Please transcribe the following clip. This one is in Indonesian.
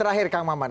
terakhir kang maman